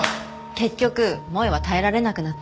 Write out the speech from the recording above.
結局萌絵は耐えられなくなって。